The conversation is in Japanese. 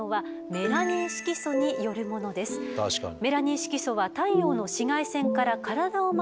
メラニン色素は太陽の紫外線から体を守る役割をしています。